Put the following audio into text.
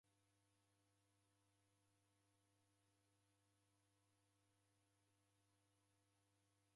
Wovimba mbi ghose ukaenjwa w'ughangenyi.